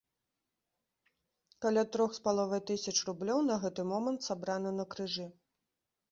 Каля трох з паловай тысяч рублёў на гэты момант сабрана на крыжы.